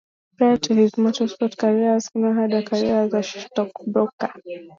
Prior to his motorsport career, Atkinson had a career as a stockbroker.